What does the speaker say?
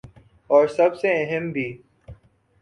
اور سب سے اہم بھی ۔